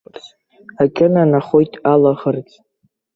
Аҿынанахоит алаӷырӡ.